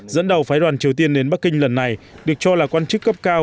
dẫn đầu phái đoàn triều tiên đến bắc kinh lần này được cho là quan chức cấp cao